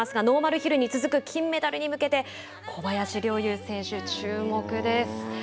ノーマルヒルに続く金メダルに向けて小林陵侑選手、注目です。